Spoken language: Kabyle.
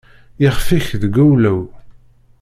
Ixef-ik deg uwlew.